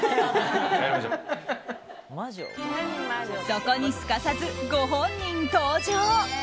そこにすかさず、ご本人登場。